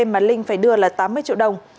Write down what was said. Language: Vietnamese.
mà linh phải đưa là tám mươi triệu đồng